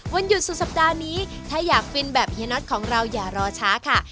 วันหยุดสุดสัปดาห์นี้ถ้าอยากฟินแบบเฮียน็อตของเราอย่ารอช้าค่ะ